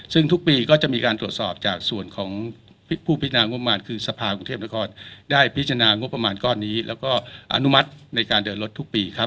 ซึ่งทุกปีก็จะมีการตรวจสอบจากส่วนของผู้พินางบมารคือสภากรุงเทพนครได้พิจารณางบประมาณก้อนนี้แล้วก็อนุมัติในการเดินรถทุกปีครับ